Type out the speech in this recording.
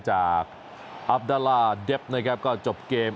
อัพดาลาเดฟนะครับก็จบเกม